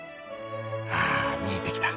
ああ見えてきた。